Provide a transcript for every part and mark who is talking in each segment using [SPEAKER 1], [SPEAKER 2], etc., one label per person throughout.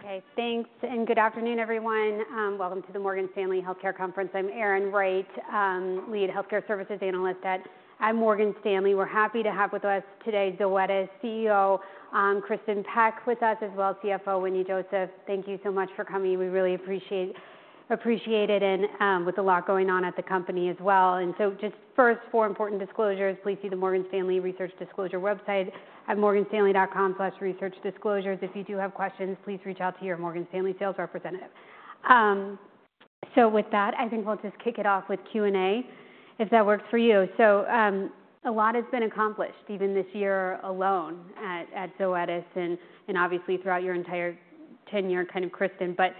[SPEAKER 1] Okay, thanks, and good afternoon, everyone. Welcome to the Morgan Stanley Healthcare Conference. I'm Erin Wright, Lead Healthcare Services Analyst at Morgan Stanley. We're happy to have with us today, Zoetis CEO Kristin Peck, with us, as well, CFO Wetteny Joseph. Thank you so much for coming. We really appreciate it, and with a lot going on at the company as well. And so just first, four important disclosures. Please see the Morgan Stanley Research Disclosure website at morganstanley.com/researchdisclosures. If you do have questions, please reach out to your Morgan Stanley sales representative. So with that, I think we'll just kick it off with Q&A, if that works for you. So, a lot has been accomplished, even this year alone at Zoetis and obviously throughout your entire tenure, kind of, Kristin. But,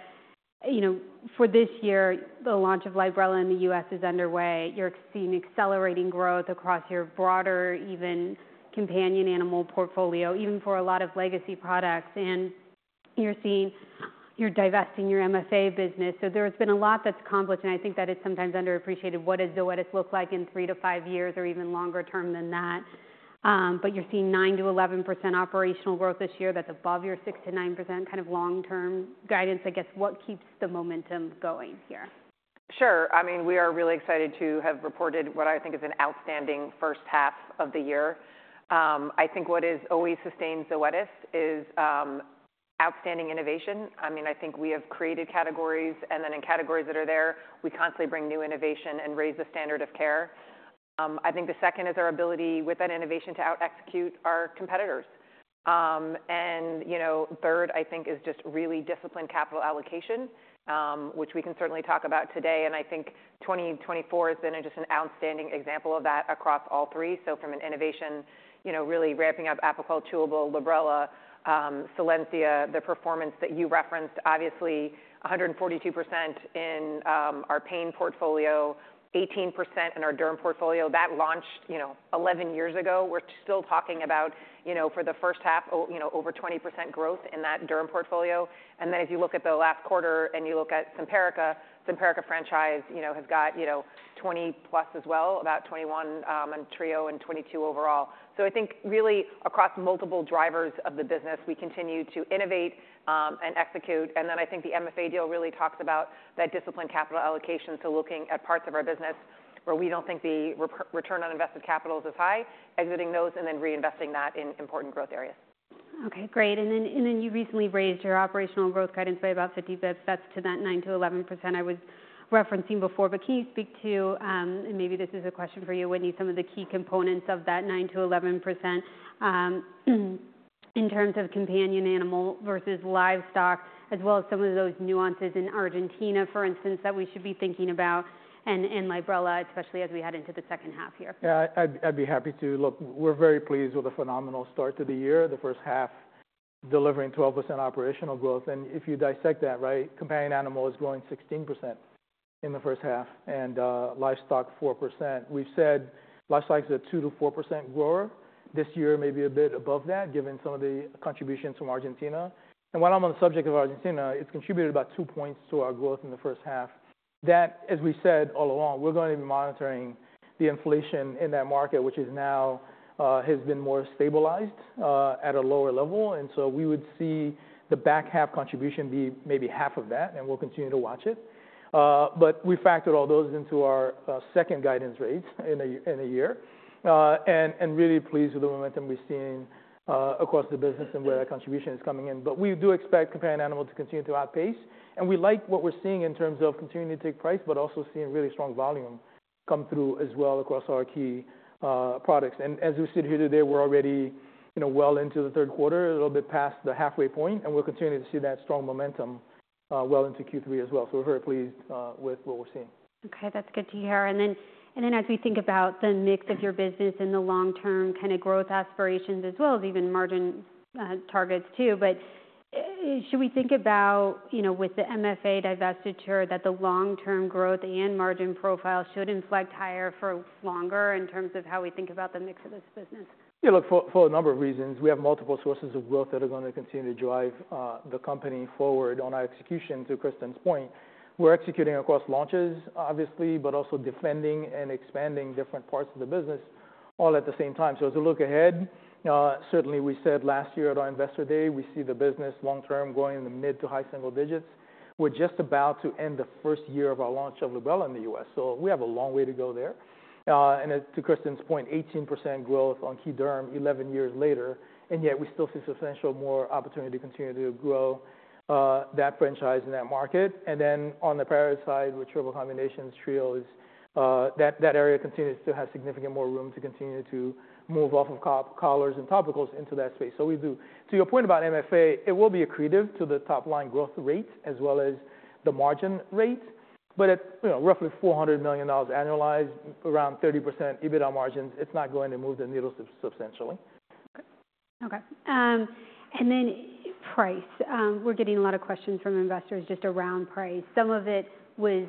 [SPEAKER 1] you know, for this year, the launch of Librela in the U.S. is underway. You're seeing accelerating growth across your broader, even companion animal portfolio, even for a lot of legacy products, and you're seeing you're divesting your MFA business. So there's been a lot that's accomplished, and I think that is sometimes underappreciated. What does Zoetis look like in 3-5 years or even longer term than that? But you're seeing 9%-11% operational growth this year. That's above your 6%-9%, kind of, long-term guidance. I guess, what keeps the momentum going here?
[SPEAKER 2] Sure. I mean, we are really excited to have reported what I think is an outstanding first half of the year. I think what is always sustained Zoetis is outstanding innovation. I mean, I think we have created categories, and then in categories that are there, we constantly bring new innovation and raise the standard of care. I think the second is our ability, with that innovation, to out execute our competitors. And, you know, third, I think, is just really disciplined capital allocation, which we can certainly talk about today. And I think 2024 has been just an outstanding example of that across all three. So from an innovation, you know, really ramping up Apoquel Chewable, Librela, Solensia, the performance that you referenced, obviously, 142% in our pain portfolio, 18% in our derm portfolio. That launched, you know, 11 years ago. We're still talking about, you know, for the first half, you know, over 20% growth in that derm portfolio. And then if you look at the last quarter and you look at Simparica, Simparica franchise, you know, has got, you know, 20+ as well, about 21 in Trio and 22 overall. So I think really across multiple drivers of the business, we continue to innovate and execute. And then I think the MFA deal really talks about that disciplined capital allocation to looking at parts of our business where we don't think the return on invested capitals is high, exiting those, and then reinvesting that in important growth areas.
[SPEAKER 1] Okay, great. And then, and then you recently raised your operational growth guidance by about 50 basis points. That's to that 9%-11% I was referencing before. But can you speak to. And maybe this is a question for you, Wetteny, some of the key components of that 9%-11%, in terms of companion animal versus livestock, as well as some of those nuances in Argentina, for instance, that we should be thinking about, and Librela, especially as we head into the second half here.
[SPEAKER 3] Yeah, I'd be happy to. Look, we're very pleased with the phenomenal start to the year, the first half delivering 12% operational growth. And if you dissect that, right, companion animal is growing 16% in the first half, and livestock, 4%. We've said livestock is a 2%-4% grower. This year may be a bit above that, given some of the contribution from Argentina. And while I'm on the subject of Argentina, it's contributed about two points to our growth in the first half. That, as we said all along, we're going to be monitoring the inflation in that market, which is now has been more stabilized at a lower level. And so we would see the back half contribution be maybe half of that, and we'll continue to watch it. But we factored all those into our second guidance rates in a year. And really pleased with the momentum we're seeing across the business and where that contribution is coming in. But we do expect companion animal to continue to outpace, and we like what we're seeing in terms of continuing to take price, but also seeing really strong volume come through as well across our key products. And as we sit here today, we're already, you know, well into the third quarter, a little bit past the halfway point, and we're continuing to see that strong momentum well into Q3 as well. So we're very pleased with what we're seeing.
[SPEAKER 1] Okay, that's good to hear. And then as we think about the mix of your business and the long-term kind of growth aspirations as well as even margin targets too, but should we think about, you know, with the MFA divestiture, that the long-term growth and margin profile should inflect higher for longer in terms of how we think about the mix of this business?
[SPEAKER 3] Yeah, look, for a number of reasons. We have multiple sources of growth that are gonna continue to drive the company forward on our execution, to Kristin's point. We're executing across launches, obviously, but also defending and expanding different parts of the business all at the same time. So as we look ahead, certainly we said last year at our Investor Day, we see the business long term growing in the mid to high single digits. We're just about to end the first year of our launch of Librela in the U.S., so we have a long way to go there. And as to Kristin's point, 18% growth on key derm 11 years later, and yet we still see substantially more opportunity to continue to grow that franchise in that market. And then on the parasite side, with triple combinations, Trio is. That area continues to have significant more room to continue to move off of collars and topicals into that space. So we do. To your point about MFA, it will be accretive to the top line growth rate as well as the margin rate, but it's, you know, roughly $400 million annualized, around 30% EBITDA margins. It's not going to move the needle substantially.
[SPEAKER 1] Okay. And then price. We're getting a lot of questions from investors just around price. Some of it was,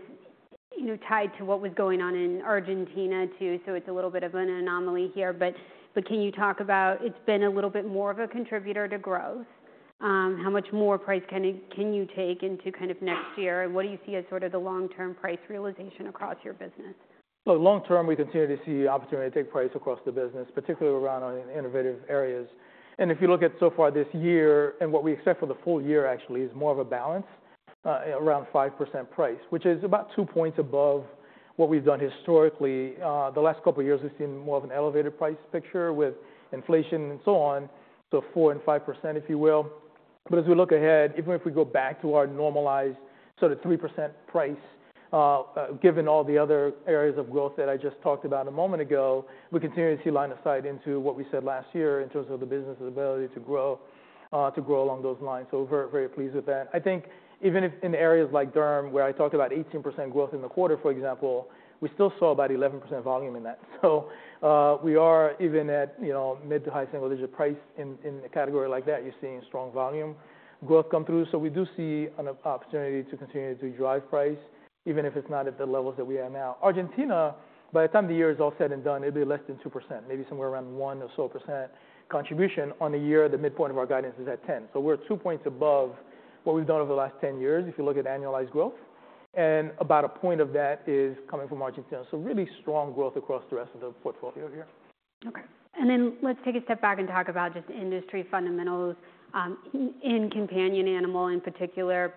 [SPEAKER 1] you know, tied to what was going on in Argentina, too, so it's a little bit of an anomaly here. But can you talk about... It's been a little bit more of a contributor to growth. How much more price can you take into kind of next year? And what do you see as sort of the long-term price realization across your business?
[SPEAKER 3] So long term, we continue to see opportunity to take price across the business, particularly around our innovative areas. And if you look at so far this year, and what we expect for the full year actually, is more of a balance around 5% price, which is about two points above what we've done historically. The last couple of years, we've seen more of an elevated price picture with inflation and so on, so 4% and 5%, if you will. But as we look ahead, even if we go back to our normalized sort of 3% price, given all the other areas of growth that I just talked about a moment ago, we continue to see line of sight into what we said last year in terms of the business's ability to grow to grow along those lines. We're very pleased with that. I think even if in areas like Derm, where I talked about 18% growth in the quarter, for example, we still saw about 11% volume in that. So, we are even at, you know, mid- to high single-digit price in a category like that, you're seeing strong volume growth come through. So we do see an opportunity to continue to drive price, even if it's not at the levels that we are now. Argentina, by the time the year is all said and done, it'll be less than 2%, maybe somewhere around 1% or so contribution on the year. The midpoint of our guidance is at 10%. So we're two points above what we've done over the last 10 years, if you look at annualized growth, and about a point of that is coming from Argentina. Really strong growth across the rest of the portfolio here.
[SPEAKER 1] Okay, and then let's take a step back and talk about just industry fundamentals in companion animal in particular.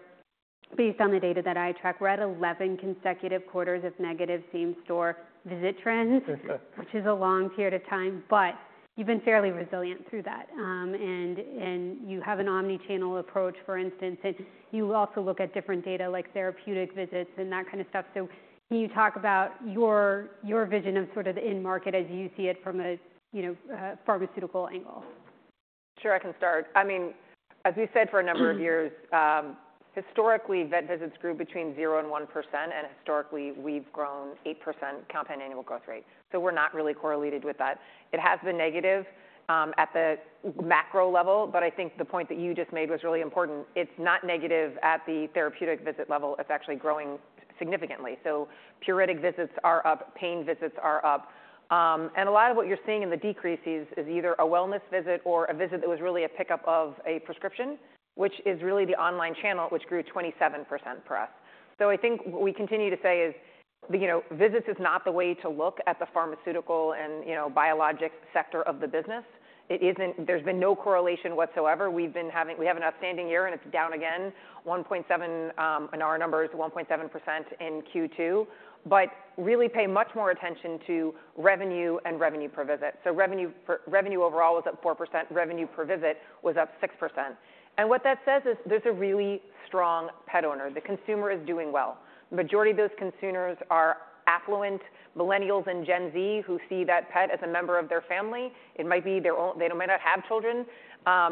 [SPEAKER 1] Based on the data that I track, we're at eleven consecutive quarters of negative same-store visit trends. Which is a long period of time, but you've been fairly resilient through that, and you have an omni-channel approach, for instance, and you also look at different data like therapeutic visits and that kind of stuff. So can you talk about your vision of sort of the end market as you see it from a, you know, pharmaceutical angle?
[SPEAKER 2] Sure, I can start. I mean, as we said for a number of years, historically, vet visits grew between 0% and 1%, and historically, we've grown 8% compound annual growth rate, so we're not really correlated with that. It has been negative at the macro level, but I think the point that you just made was really important. It's not negative at the therapeutic visit level. It's actually growing significantly. So periodic visits are up, pain visits are up, and a lot of what you're seeing in the decreases is either a wellness visit or a visit that was really a pickup of a prescription, which is really the online channel, which grew 27% for us. So I think what we continue to say is, you know, visits is not the way to look at the pharmaceutical and, you know, biologic sector of the business. It isn't. There's been no correlation whatsoever. We've been having we have an outstanding year, and it's down again, 1.7, in our numbers, 1.7% in Q2, but really pay much more attention to revenue and revenue per visit. So revenue for revenue overall was up 4%, revenue per visit was up 6%. And what that says is there's a really strong pet owner. The consumer is doing well. Majority of those consumers are affluent millennials and Gen Z, who see that pet as a member of their family. It might be their own they might not have children,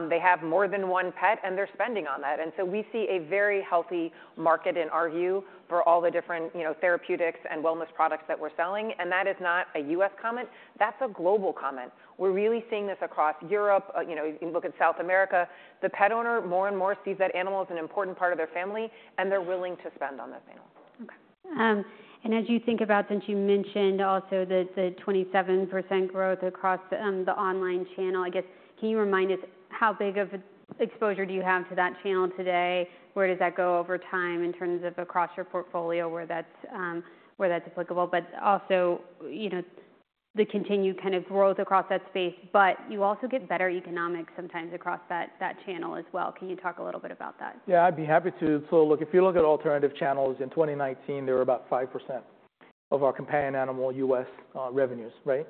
[SPEAKER 2] they have more than one pet, and they're spending on that. And so we see a very healthy market, in our view, for all the different, you know, therapeutics and wellness products that we're selling. And that is not a U.S. comment, that's a global comment. We're really seeing this across Europe. You know, you can look at South America. The pet owner, more and more, sees that animal as an important part of their family, and they're willing to spend on that animal.
[SPEAKER 1] Okay. And as you think about, since you mentioned also the 27% growth across the online channel, I guess, can you remind us how big of exposure do you have to that channel today? Where does that go over time in terms of across your portfolio, where that's applicable? But also, you know, the continued kind of growth across that space, but you also get better economics sometimes across that channel as well. Can you talk a little bit about that?
[SPEAKER 3] Yeah, I'd be happy to. So look, if you look at alternative channels in 2019, they were about 5% of our companion animal U.S. revenues, right?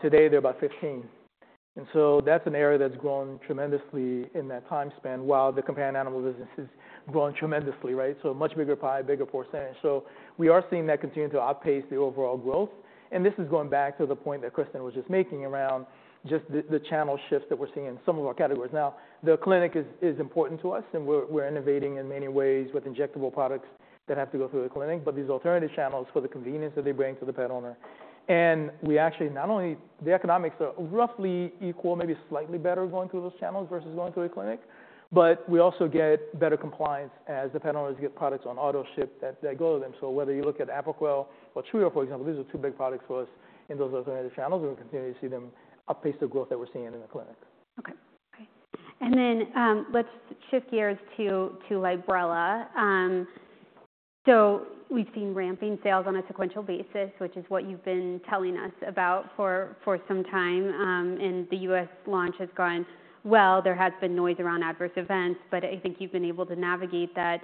[SPEAKER 3] Today, they're about 15%. And so that's an area that's grown tremendously in that time span, while the companion animal business has grown tremendously, right? So a much bigger pie, bigger percentage. So we are seeing that continue to outpace the overall growth. And this is going back to the point that Kristin was just making around just the channel shifts that we're seeing in some of our categories. Now, the clinic is important to us, and we're innovating in many ways with injectable products that have to go through the clinic, but these alternative channels for the convenience that they bring to the pet owner. And we actually not only... The economics are roughly equal, maybe slightly better, going through those channels versus going through a clinic, but we also get better compliance as the pet owners get products on auto ship that go to them. So whether you look at Apoquel or Chewy, for example, these are two big products for us in those alternative channels, and we continue to see them outpace the growth that we're seeing in the clinic.
[SPEAKER 1] Okay. Okay, and then, let's shift gears to Librela. So we've seen ramping sales on a sequential basis, which is what you've been telling us about for some time, and the U.S. launch has gone well. There has been noise around adverse events, but I think you've been able to navigate that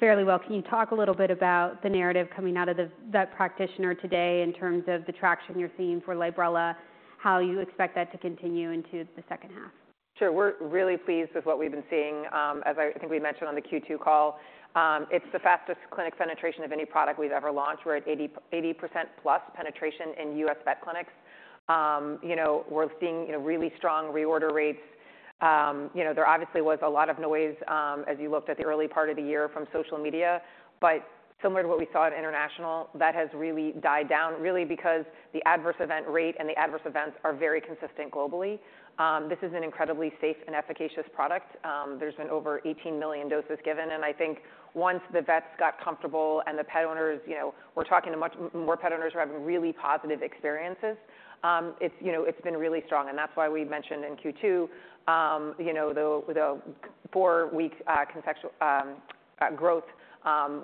[SPEAKER 1] fairly well. Can you talk a little bit about the narrative coming out of the vet practitioner today in terms of the traction you're seeing for Librela, how you expect that to continue into the second half?
[SPEAKER 2] Sure. We're really pleased with what we've been seeing, as I think we mentioned on the Q2 call. It's the fastest clinic penetration of any product we've ever launched. We're at 80%+ penetration in U.S. vet clinics. You know, we're seeing, you know, really strong reorder rates. You know, there obviously was a lot of noise, as you looked at the early part of the year from social media, but similar to what we saw at international, that has really died down, really because the adverse event rate and the adverse events are very consistent globally. This is an incredibly safe and efficacious product. There's been over 18 million doses given, and I think once the vets got comfortable and the pet owners, you know, we're talking to much more pet owners who are having really positive experiences, it's, you know, it's been really strong, and that's why we mentioned in Q2, you know, the four-week sequential growth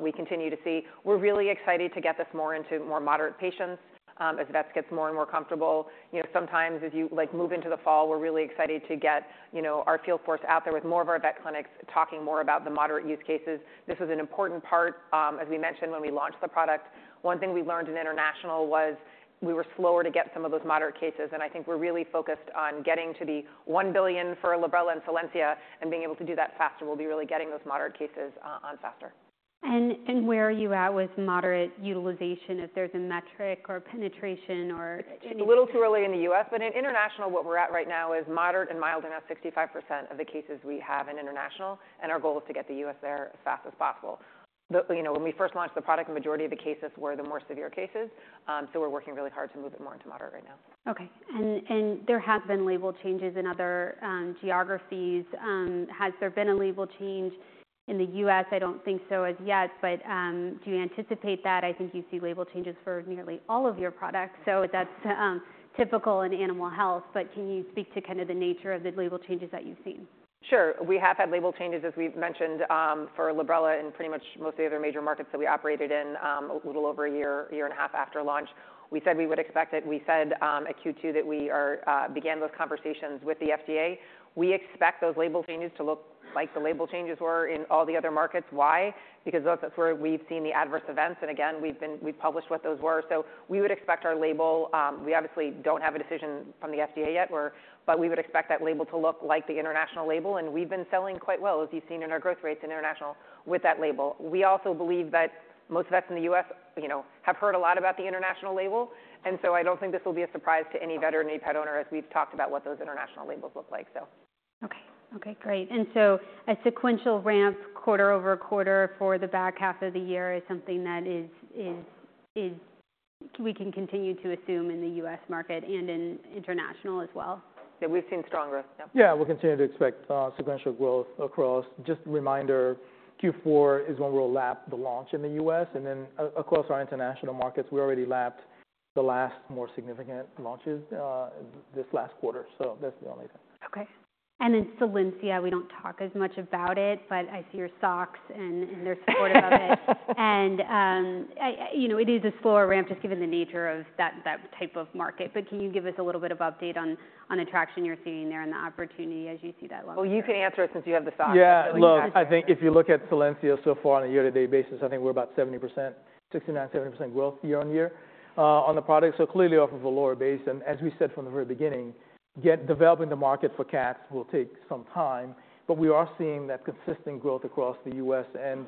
[SPEAKER 2] we continue to see. We're really excited to get this more into more moderate patients as vets gets more and more comfortable. You know, sometimes as you, like, move into the fall, we're really excited to get, you know, our field force out there with more of our vet clinics, talking more about the moderate use cases. This is an important part, as we mentioned when we launched the product. One thing we learned in international was-... We were slower to get some of those moderate cases, and I think we're really focused on getting to the $1 billion for Librela and Solensia, and being able to do that faster. We'll be really getting those moderate cases on faster.
[SPEAKER 1] Where are you at with moderate utilization, if there's a metric or penetration or?
[SPEAKER 2] It's a little too early in the U.S., but in international, what we're at right now is moderate and mild, and about 65% of the cases we have in international, and our goal is to get the U.S. there as fast as possible. Look, you know, when we first launched the product, the majority of the cases were the more severe cases, so we're working really hard to move it more into moderate right now.
[SPEAKER 1] Okay. And there have been label changes in other geographies. Has there been a label change in the U.S.? I don't think so as yet, but do you anticipate that? I think you see label changes for nearly all of your products, so that's typical in animal health, but can you speak to kind of the nature of the label changes that you've seen?
[SPEAKER 2] Sure. We have had label changes, as we've mentioned, for Librela and pretty much most of the other major markets that we operated in, a little over a year, year and a half after launch. We said we would expect it. We said at Q2 that we began those conversations with the FDA. We expect those label changes to look like the label changes were in all the other markets. Why? Because that's where we've seen the adverse events, and again, we've published what those were. So we would expect our label. We obviously don't have a decision from the FDA yet, but we would expect that label to look like the international label, and we've been selling quite well, as you've seen in our growth rates in international with that label. We also believe that most of us in the U.S., you know, have heard a lot about the international label, and so I don't think this will be a surprise to any veterinarian or pet owner as we've talked about what those international labels look like, so.
[SPEAKER 1] Okay. Okay, great. And so a sequential ramp quarter over quarter for the back half of the year is something that we can continue to assume in the U.S. market and in international as well?
[SPEAKER 2] Yeah, we've seen strong growth, yeah.
[SPEAKER 3] Yeah, we'll continue to expect sequential growth across. Just a reminder, Q4 is when we'll lap the launch in the U.S., and then across our international markets, we already lapped the last more significant launches, this last quarter, so that's the only thing.
[SPEAKER 1] Okay. And in Solensia, we don't talk as much about it, but I see your socks, and they're supportive of it. And, you know, it is a slower ramp, just given the nature of that type of market. But can you give us a little bit of update on the traction you're seeing there and the opportunity as you see that long term?
[SPEAKER 2] You can answer it since you have the stocks.
[SPEAKER 3] Yeah, look, I think if you look at Solensia so far on a year-to-date basis, I think we're about 70%, 69%-70% growth year on year on the product, so clearly off of a lower base. As we said from the very beginning, developing the market for cats will take some time, but we are seeing that consistent growth across the U.S. and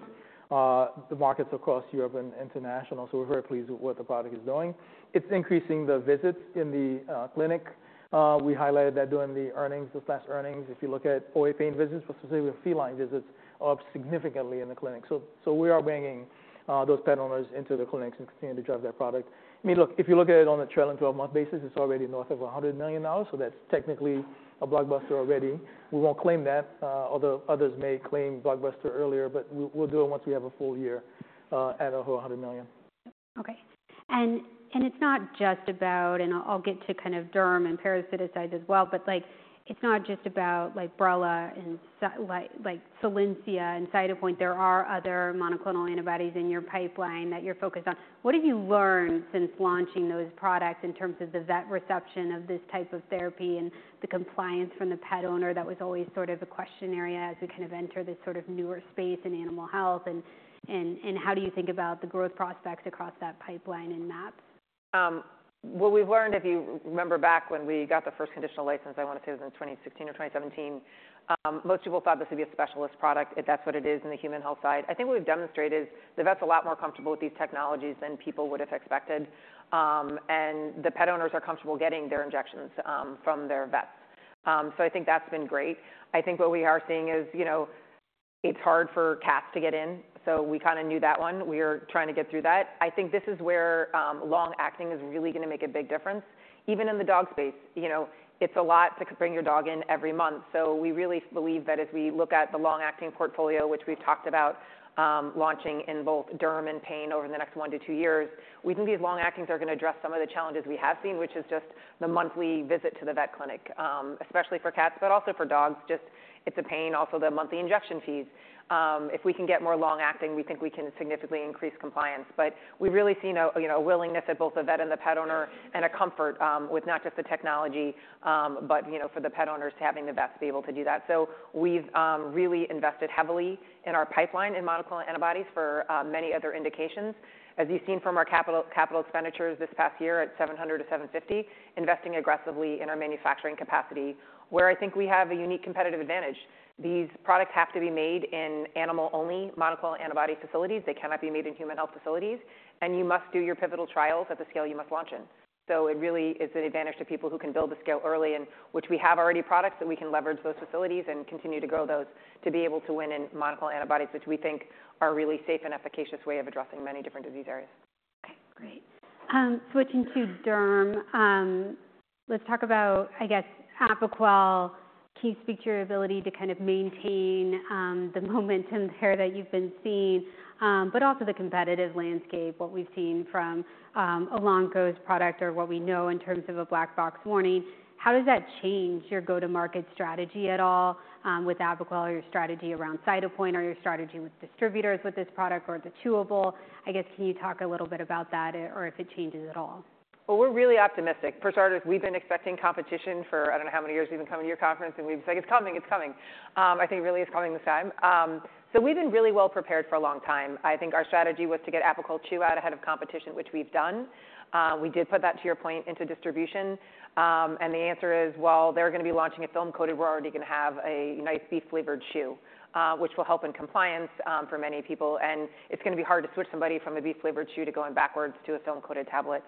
[SPEAKER 3] the markets across Europe and international. So we're very pleased with what the product is doing. It's increasing the visits in the clinic. We highlighted that during the earnings, this last earnings. If you look at OA pain visits, particularly with feline visits, are up significantly in the clinic. So we are bringing those pet owners into the clinics and continuing to drive that product. I mean, look, if you look at it on a trailing 12-month basis, it's already north of $100 million, so that's technically a blockbuster already. We won't claim that, although others may claim blockbuster earlier, but we'll, we'll do it once we have a full year, at a whole $100 million.
[SPEAKER 1] Okay. And it's not just about... And I'll get to kind of derm and parasiticides as well, but like, it's not just about like Librela and, like, Solensia and Cytopoint, there are other monoclonal antibodies in your pipeline that you're focused on. What have you learned since launching those products in terms of the vet reception of this type of therapy and the compliance from the pet owner? That was always sort of a question area as we kind of enter this sort of newer space in animal health, and how do you think about the growth prospects across that pipeline and mAbs?
[SPEAKER 2] What we've learned, if you remember back when we got the first conditional license, I want to say it was in 2016 or 2017, most people thought this would be a specialist product, if that's what it is in the human health side. I think what we've demonstrated, the vets are a lot more comfortable with these technologies than people would have expected, and the pet owners are comfortable getting their injections from their vets. So I think that's been great. I think what we are seeing is, you know, it's hard for cats to get in, so we kind of knew that one. We are trying to get through that. I think this is where long-acting is really going to make a big difference. Even in the dog space, you know, it's a lot to bring your dog in every month. So we really believe that as we look at the long-acting portfolio, which we've talked about, launching in both derm and pain over the next one to two years, we think these long-actings are going to address some of the challenges we have seen, which is just the monthly visit to the vet clinic, especially for cats, but also for dogs. Just it's a pain, also the monthly injection fees. If we can get more long-acting, we think we can significantly increase compliance. But we've really seen a, you know, a willingness at both the vet and the pet owner and a comfort, with not just the technology, but, you know, for the pet owners to having the vets be able to do that. So we've really invested heavily in our pipeline in monoclonal antibodies for many other indications. As you've seen from our capital expenditures this past year at $700-$750, investing aggressively in our manufacturing capacity, where I think we have a unique competitive advantage. These products have to be made in animal-only monoclonal antibody facilities. They cannot be made in human health facilities, and you must do your pivotal trials at the scale you must launch in. So it really is an advantage to people who can build the scale early and which we have already products, that we can leverage those facilities and continue to grow those to be able to win in monoclonal antibodies, which we think are a really safe and efficacious way of addressing many different disease areas.
[SPEAKER 1] Okay, great. Switching to derm... Let's talk about, I guess, Apoquel. Can you speak to your ability to kind of maintain the momentum there that you've been seeing? But also the competitive landscape, what we've seen from Elanco's product or what we know in terms of a black box warning. How does that change your go-to-market strategy at all with Apoquel, or your strategy around Cytopoint, or your strategy with distributors with this product or the chewable? I guess, can you talk a little bit about that, or if it changes at all?
[SPEAKER 2] We're really optimistic. For starters, we've been expecting competition for I don't know how many years we've been coming to your conference, and we've said, "It's coming, it's coming." I think really it's coming this time. We've been really well prepared for a long time. I think our strategy was to get Apoquel Chew out ahead of competition, which we've done. We did put that, to your point, into distribution. The answer is, while they're gonna be launching a film-coated, we're already gonna have a nice beef-flavored chew, which will help in compliance, for many people. It's gonna be hard to switch somebody from a beef-flavored chew to going backwards to a film-coated tablet.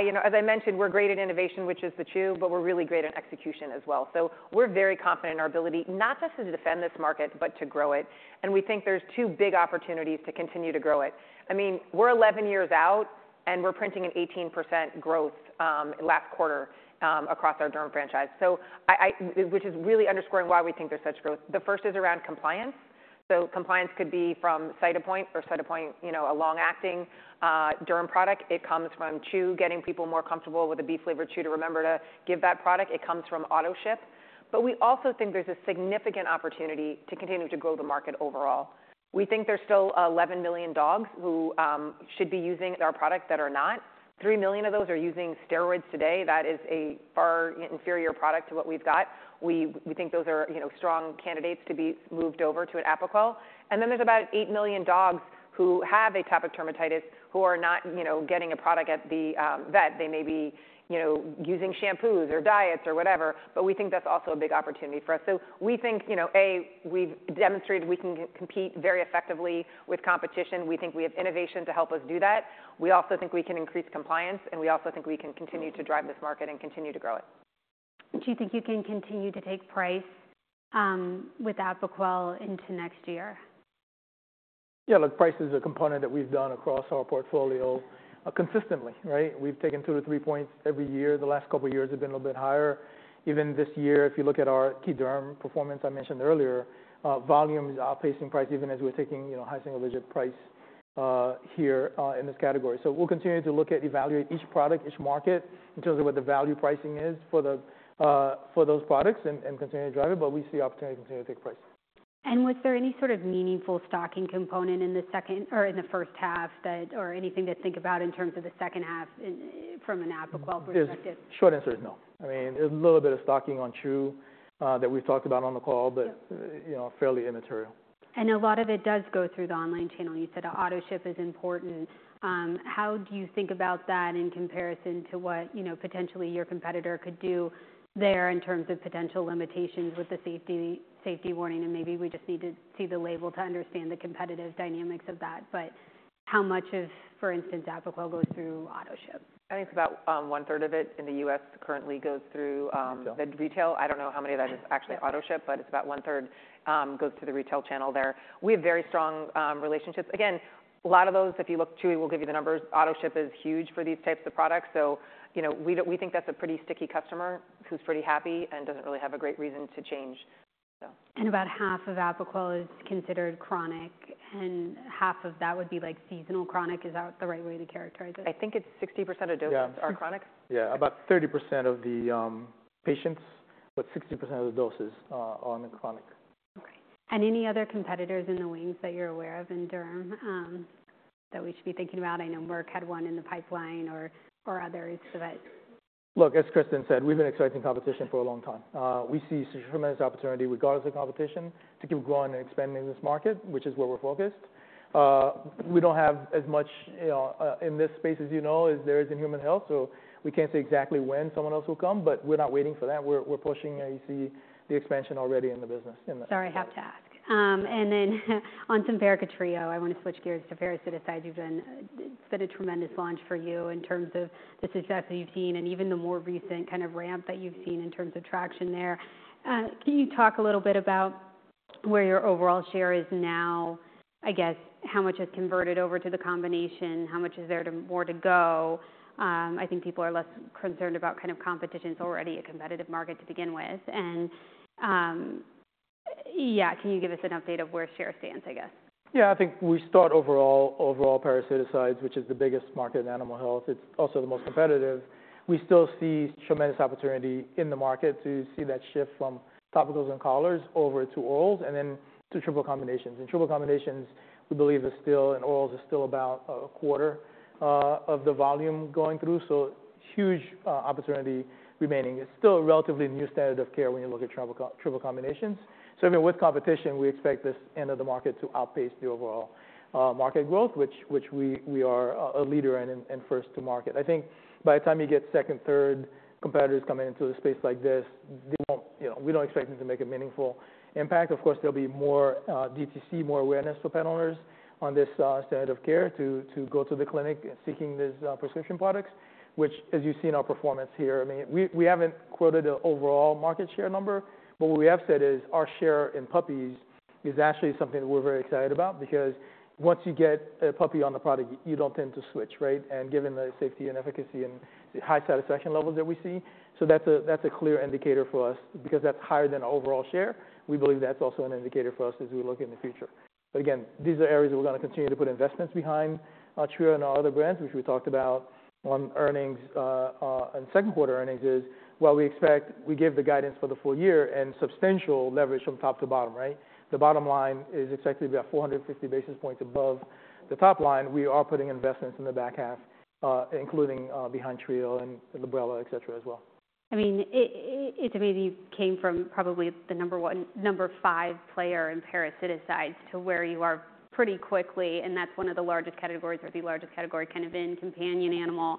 [SPEAKER 2] You know, as I mentioned, we're great at innovation, which is the chew, but we're really great at execution as well. We're very confident in our ability not just to defend this market, but to grow it. We think there's two big opportunities to continue to grow it. I mean, we're 11 years out, and we're printing an 18% growth last quarter across our derm franchise. I, which is really underscoring why we think there's such growth. The first is around compliance. So compliance could be from Cytopoint or Cytopoint, you know, a long-acting derm product. It comes from chew, getting people more comfortable with a beef-flavored chew to remember to give that product. It comes from autoship. But we also think there's a significant opportunity to continue to grow the market overall. We think there's still 11 million dogs who should be using our products that are not. 3 million of those are using steroids today. That is a far inferior product to what we've got. We think those are, you know, strong candidates to be moved over to an Apoquel. And then there's about eight million dogs who have atopic dermatitis, who are not, you know, getting a product at the, vet. They may be, you know, using shampoos or diets or whatever, but we think that's also a big opportunity for us. So we think, you know, A, we've demonstrated we can compete very effectively with competition. We think we have innovation to help us do that. We also think we can increase compliance, and we also think we can continue to drive this market and continue to grow it.
[SPEAKER 1] Do you think you can continue to take price with Apoquel into next year?
[SPEAKER 3] Yeah, look, price is a component that we've done across our portfolio consistently, right? We've taken two to three points every year. The last couple of years have been a little bit higher. Even this year, if you look at our key derm performance, I mentioned earlier, volume is outpacing price, even as we're taking, you know, high single-digit price here in this category. So we'll continue to look at, evaluate each product, each market in terms of what the value pricing is for those products and continue to drive it, but we see opportunity to continue to take price.
[SPEAKER 1] Was there any sort of meaningful stocking component in the second or in the first half that... or anything to think about in terms of the second half in, from an Apoquel perspective?
[SPEAKER 3] The short answer is no. I mean, there's a little bit of stocking on Chewy that we've talked about on the call, but-
[SPEAKER 1] Yep.
[SPEAKER 3] You know, fairly immaterial.
[SPEAKER 1] A lot of it does go through the online channel. You said our autoship is important. How do you think about that in comparison to what, you know, potentially your competitor could do there in terms of potential limitations with the safety, safety warning? Maybe we just need to see the label to understand the competitive dynamics of that. How much of, for instance, Apoquel goes through Autoship?
[SPEAKER 2] I think it's about 1/3 of it in the U.S. currently goes through.
[SPEAKER 3] Retail.
[SPEAKER 2] The retail. I don't know how many of that is actually Autoship, but it's about 1/3 goes to the retail channel there. We have very strong relationships. Again, a lot of those, if you look, Chewy will give you the numbers. Autoship is huge for these types of products, so you know, we think that's a pretty sticky customer who's pretty happy and doesn't really have a great reason to change, so.
[SPEAKER 1] About half of Apoquel is considered chronic, and half of that would be, like, seasonal chronic. Is that the right way to characterize it?
[SPEAKER 2] I think it's 60% of doses-
[SPEAKER 3] Yeah.
[SPEAKER 2] are chronic.
[SPEAKER 3] Yeah, about 30% of the patients, but 60% of the doses are in the chronic.
[SPEAKER 1] Okay. And any other competitors in the wings that you're aware of in Derm, that we should be thinking about? I know Merck had one in the pipeline or, or others, so that...
[SPEAKER 3] Look, as Kristin said, we've been expecting competition for a long time. We see tremendous opportunity, regardless of competition, to keep growing and expanding in this market, which is where we're focused. We don't have as much, you know, in this space, as you know, as there is in human health, so we can't say exactly when someone else will come, but we're not waiting for that. We're pushing, and you see the expansion already in the business in the-
[SPEAKER 1] Sorry, I have to ask, and then on Simparica Trio, I want to switch gears to parasiticides. It's been a tremendous launch for you in terms of the success that you've seen and even the more recent kind of ramp that you've seen in terms of traction there. Can you talk a little bit about where your overall share is now? I guess, how much has converted over to the combination? How much is there to more to go? I think people are less concerned about kind of competition. It's already a competitive market to begin with, and yeah, can you give us an update of where share stands, I guess?
[SPEAKER 3] Yeah, I think we start overall parasiticides, which is the biggest market in animal health. It's also the most competitive. We still see tremendous opportunity in the market to see that shift from topicals and collars over to orals and then to triple combinations. And triple combinations, we believe, are still and orals are still about a quarter of the volume going through, so huge opportunity remaining. It's still a relatively new standard of care when you look at triple combinations. So even with competition, we expect this end of the market to outpace the overall market growth, which we are a leader in and first to market. I think by the time you get second, third competitors coming into a space like this, they won't, you know, we don't expect them to make a meaningful impact. Of course, there'll be more, DTC, more awareness for pet owners on this, standard of care to, to go to the clinic seeking these, prescription products, which as you see in our performance here, I mean, we, we haven't quoted an overall market share number, but what we have said is our share in puppies is actually something that we're very excited about, because once you get a puppy on the product, you don't tend to switch, right? And given the safety and efficacy and the high satisfaction levels that we see, so that's a, that's a clear indicator for us, because that's higher than our overall share. We believe that's also an indicator for us as we look in the future. But again, these are areas that we're gonna continue to put investments behind, Trio and our other brands, which we talked about on second quarter earnings, while we expect, we give the guidance for the full year and substantial leverage from top to bottom, right? The bottom line is expected to be about 450 basis points above the top line. We are putting investments in the back half, including behind Trio and Librela, et cetera, as well.
[SPEAKER 1] I mean, it to me came from probably the number five player in parasiticides to where you are pretty quickly, and that's one of the largest categories, or the largest category, kind of, in companion animal.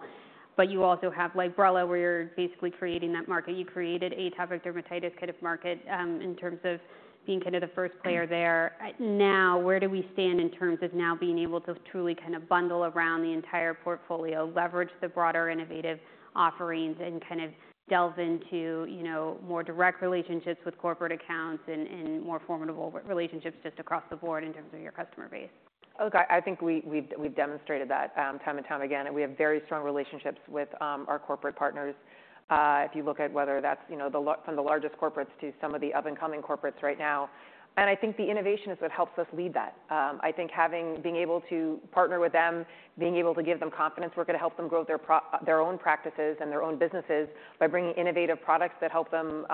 [SPEAKER 1] But you also have, like, Librela, where you're basically creating that market. You created atopic dermatitis kind of market in terms of being kind of the first player there. Now, where do we stand in terms of now being able to truly kind of bundle around the entire portfolio, leverage the broader innovative offerings, and kind of delve into, you know, more direct relationships with corporate accounts and more formidable relationships just across the board in terms of your customer base?
[SPEAKER 2] Okay, I think we've demonstrated that time and time again, and we have very strong relationships with our corporate partners. If you look at whether that's, you know, from the largest corporates to some of the up-and-coming corporates right now, and I think the innovation is what helps us lead that. I think being able to partner with them, being able to give them confidence, we're gonna help them grow their their own practices and their own businesses by bringing innovative products that help them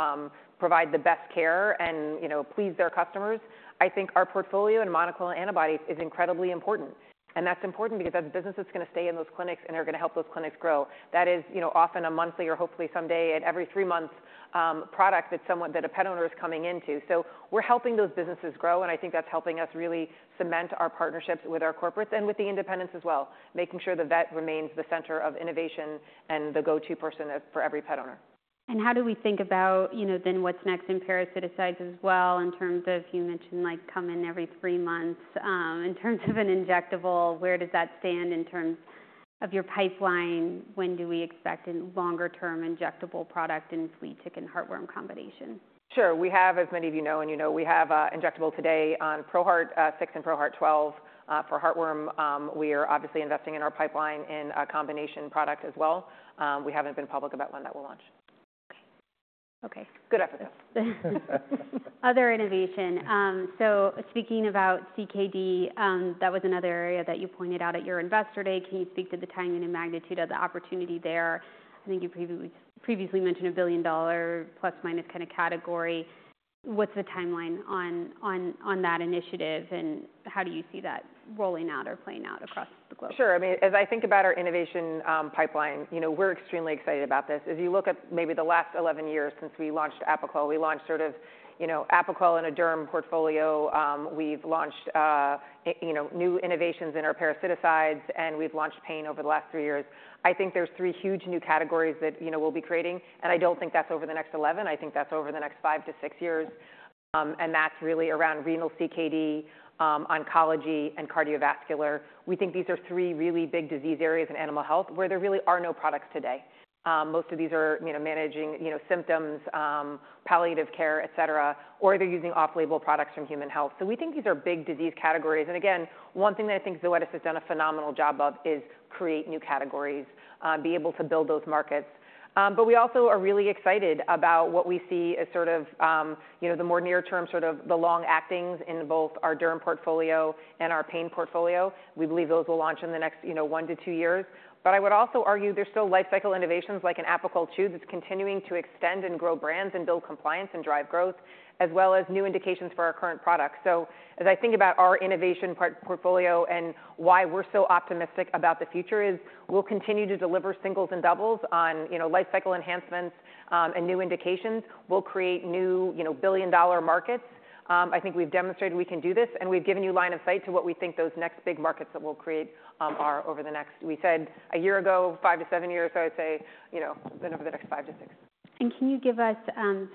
[SPEAKER 2] provide the best care and, you know, please their customers. I think our portfolio and monoclonal antibodies is incredibly important, and that's important because that business is gonna stay in those clinics and are gonna help those clinics grow. That is, you know, often a monthly or hopefully someday, at every three months, product that a pet owner is coming into. So we're helping those businesses grow, and I think that's helping us really cement our partnerships with our corporates and with the independents as well, making sure the vet remains the center of innovation and the go-to person for every pet owner.
[SPEAKER 1] And how do we think about, you know, then what's next in parasiticides as well, in terms of, you mentioned, like, come in every three months? In terms of an injectable, where does that stand in terms of your pipeline? When do we expect a longer-term injectable product in flea, tick, and heartworm combination?
[SPEAKER 2] Sure. We have, as many of you know, and you know, we have, injectable today on ProHeart 6 and ProHeart 12. For heartworm, we are obviously investing in our pipeline in a combination product as well. We haven't been public about when that will launch.
[SPEAKER 1] Okay.
[SPEAKER 2] Good afternoon.
[SPEAKER 1] Other innovation. So speaking about CKD, that was another area that you pointed out at your Investor Day. Can you speak to the timing and magnitude of the opportunity there? I think you previously mentioned a billion-dollar plus minus kind of category. What's the timeline on that initiative, and how do you see that rolling out or playing out across the globe?
[SPEAKER 2] Sure. I mean, as I think about our innovation, pipeline, you know, we're extremely excited about this. As you look at maybe the last 11 years since we launched Apoquel, we launched sort of, you know, Apoquel in a derm portfolio. We've launched, you know, new innovations in our parasiticides, and we've launched pain over the last three years. I think there's three huge new categories that, you know, we'll be creating, and I don't think that's over the next 11. I think that's over the next five to six years, and that's really around renal CKD, oncology, and cardiovascular. We think these are three really big disease areas in animal health where there really are no products today. Most of these are, you know, managing, you know, symptoms, palliative care, et cetera, or they're using off-label products from human health. We think these are big disease categories. And again, one thing that I think Zoetis has done a phenomenal job of is create new categories, be able to build those markets. But we also are really excited about what we see as sort of, you know, the more near-term, sort of the long actings in both our derm portfolio and our pain portfolio. We believe those will launch in the next, you know, one to two years. But I would also argue there's still lifecycle innovations, like an Apoquel Chew, that's continuing to extend and grow brands and build compliance and drive growth, as well as new indications for our current products. So as I think about our innovation portfolio and why we're so optimistic about the future, is we'll continue to deliver singles and doubles on, you know, lifecycle enhancements, and new indications. We'll create new, you know, billion-dollar markets. I think we've demonstrated we can do this, and we've given you line of sight to what we think those next big markets that we'll create are over the next... We said a year ago, five-to-seven years, so I'd say, you know, then over the next five to six.
[SPEAKER 1] Can you give us,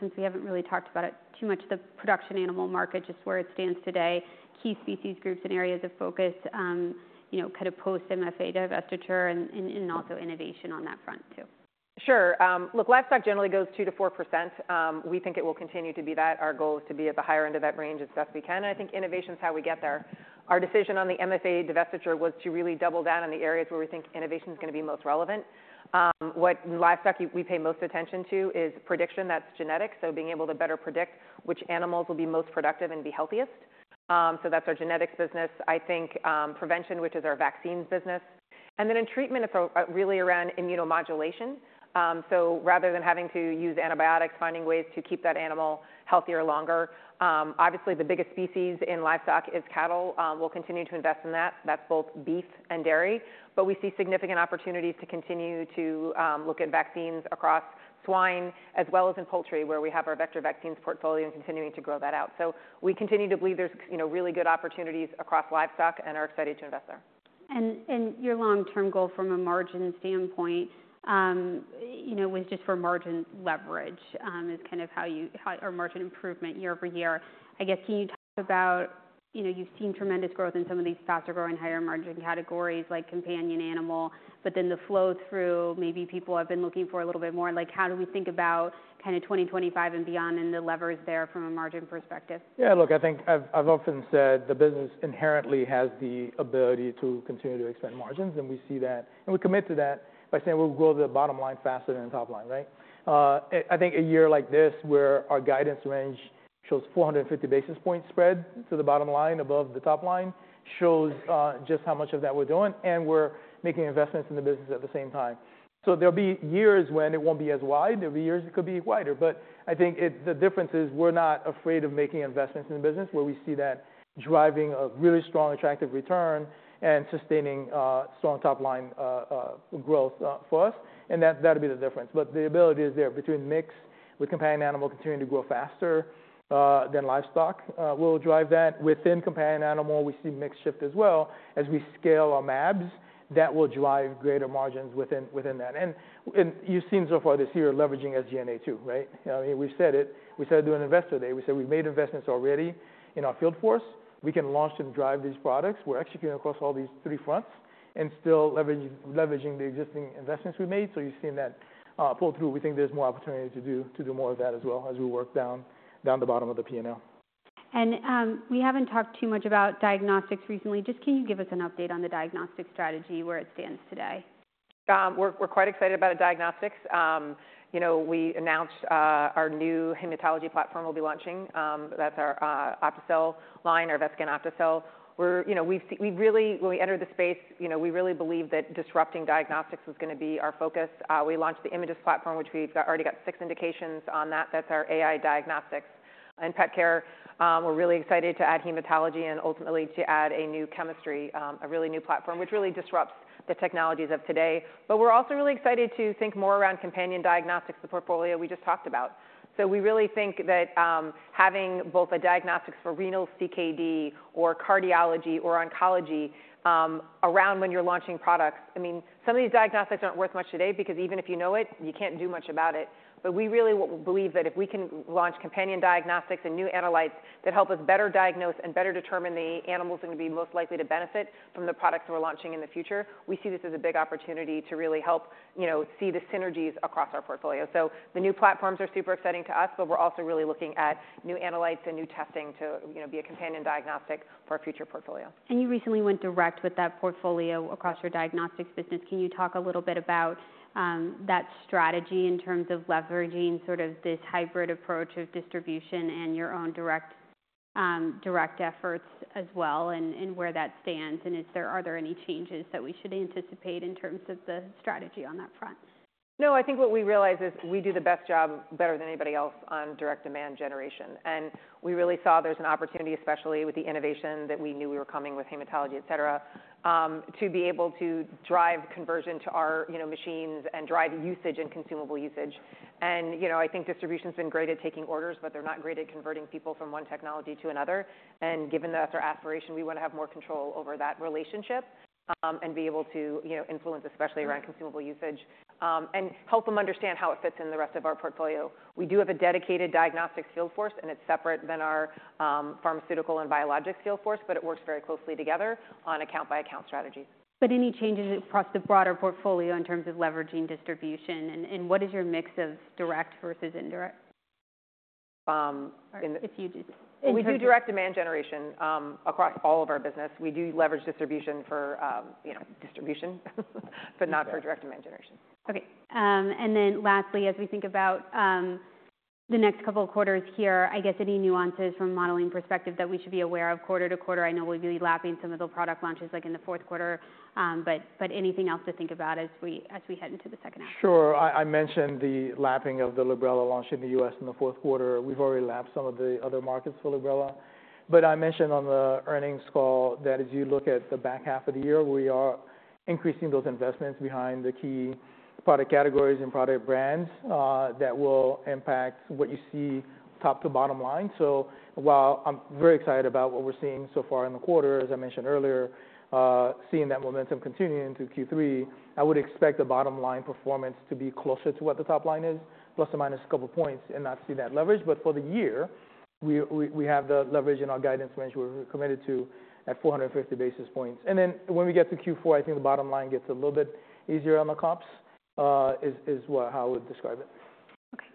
[SPEAKER 1] since we haven't really talked about it too much, the production animal market, just where it stands today, key species, groups, and areas of focus, you know, kind of post MFA divestiture and also innovation on that front, too?
[SPEAKER 2] Sure. Look, livestock generally goes 2%-4%. We think it will continue to be that. Our goal is to be at the higher end of that range as best we can, and I think innovation is how we get there. Our decision on the MFA divestiture was to really double down on the areas where we think innovation is gonna be most relevant. In livestock, we pay most attention to is prediction, that's genetics, so being able to better predict which animals will be most productive and be healthiest. So that's our genetics business. I think, prevention, which is our vaccines business, and then in treatment, it's really around immunomodulation. So rather than having to use antibiotics, finding ways to keep that animal healthier, longer. Obviously, the biggest species in livestock is cattle. We'll continue to invest in that. That's both beef and dairy, but we see significant opportunities to continue to look at vaccines across swine as well as in poultry, where we have our vector vaccines portfolio and continuing to grow that out. So we continue to believe there's, you know, really good opportunities across livestock and are excited to invest there.
[SPEAKER 1] Your long-term goal from a margin standpoint, you know, was just for margin leverage, is kind of how or margin improvement year over year. I guess can you talk about, you know, you've seen tremendous growth in some of these faster-growing, higher-margin categories like companion animal, but then the flow-through, maybe people have been looking for a little bit more. Like, how do we think about kind of 2025 and beyond, and the levers there from a margin perspective?
[SPEAKER 3] Yeah, look, I think I've often said the business inherently has the ability to continue to expand margins, and we see that and we commit to that by saying we'll grow the bottom line faster than the top line, right? I think a year like this, where our guidance range shows 450 basis points spread to the bottom line above the top line, shows just how much of that we're doing, and we're making investments in the business at the same time, so there'll be years when it won't be as wide, there'll be years it could be wider, but I think the difference is we're not afraid of making investments in the business where we see that driving a really strong attractive return and sustaining strong top line growth for us, and that'll be the difference. But the ability is there. Between mix, with companion animal continuing to grow faster than livestock will drive that. Within companion animal, we see mix shift as well. As we scale our mAbs, that will drive greater margins within that. And you've seen so far this year, leveraging SG&A too, right? We've said it. We said it during Investor Day. We said we've made investments already in our field force. We can launch and drive these products. We're executing across all these three fronts and still leveraging the existing investments we made, so you've seen that pull through. We think there's more opportunity to do more of that as well as we work down the bottom of the P&L.
[SPEAKER 1] And, we haven't talked too much about diagnostics recently. Just can you give us an update on the diagnostics strategy, where it stands today?
[SPEAKER 2] We're quite excited about diagnostics. You know, we announced our new hematology platform will be launching, that's our OptiCell line, our VetScan OptiCell. We're, you know, we've we really... When we entered the space, you know, we really believed that disrupting diagnostics was gonna be our focus. We launched the Imagyst platform, which we've already got six indications on that. That's our AI diagnostics. In pet care, we're really excited to add hematology and ultimately to add a new chemistry, a really new platform, which really disrupts the technologies of today. But we're also really excited to think more around companion diagnostics, the portfolio we just talked about. So we really think that, having both a diagnostics for renal CKD or cardiology or oncology, around when you're launching products, I mean, some of these diagnostics aren't worth much today, because even if you know it, you can't do much about it. But we really believe that if we can launch companion diagnostics and new analytes that help us better diagnose and better determine the animals that are going to be most likely to benefit from the products we're launching in the future, we see this as a big opportunity to really help, you know, see the synergies across our portfolio. So the new platforms are super exciting to us, but we're also really looking at new analytes and new testing to, you know, be a companion diagnostic for our future portfolio.
[SPEAKER 1] And you recently went direct with that portfolio across your diagnostics business. Can you talk a little bit about that strategy in terms of leveraging sort of this hybrid approach of distribution and your own direct efforts as well, and where that stands? And are there any changes that we should anticipate in terms of the strategy on that front?
[SPEAKER 2] No, I think what we realized is we do the best job, better than anybody else, on direct demand generation. And we really saw there's an opportunity, especially with the innovation, that we knew we were coming with hematology, et cetera, to be able to drive conversion to our, you know, machines and drive usage and consumable usage. And, you know, I think distribution's been great at taking orders, but they're not great at converting people from one technology to another. And given that's our aspiration, we want to have more control over that relationship, and be able to, you know, influence, especially around consumable usage, and help them understand how it fits in the rest of our portfolio. We do have a dedicated diagnostics field force, and it's separate than our, pharmaceutical and biologics field force, but it works very closely together on account-by-account strategy.
[SPEAKER 1] But any changes across the broader portfolio in terms of leveraging distribution, and what is your mix of direct versus indirect?
[SPEAKER 2] Um, in the-
[SPEAKER 1] If you do-
[SPEAKER 2] We do direct demand generation, across all of our business. We do leverage distribution for, you know, distribution, but not for direct demand generation.
[SPEAKER 1] Okay. And then lastly, as we think about the next couple of quarters here, I guess any nuances from a modeling perspective that we should be aware of quarter to quarter? I know we'll be lapping some of the product launches, like in the fourth quarter, but anything else to think about as we head into the second half?
[SPEAKER 3] Sure. I mentioned the lapping of the Librela launch in the U.S. in the fourth quarter. We've already lapped some of the other markets for Librela. But I mentioned on the earnings call that as you look at the back half of the year, we are increasing those investments behind the key product categories and product brands that will impact what you see top to bottom line. So while I'm very excited about what we're seeing so far in the quarter, as I mentioned earlier, seeing that momentum continuing into Q3, I would expect the bottom line performance to be closer to what the top line is, plus or minus a couple points, and not see that leverage. But for the year, we have the leverage in our guidance range, we're committed to at 450 basis points. Then when we get to Q4, I think the bottom line gets a little bit easier on the comps, is what, how I would describe it.
[SPEAKER 1] Okay.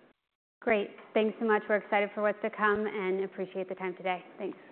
[SPEAKER 1] Great. Thanks so much. We're excited for what's to come, and appreciate the time today. Thanks.